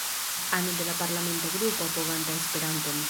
Ano de la Parlamenta Grupo Apoganta Esperanton.